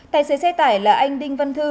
tài xế xe tải là anh đinh văn thư